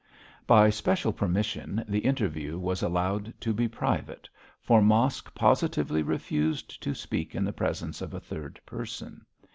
By special permission the interview was allowed to be private, for Mosk positively refused to speak in the presence of a third person.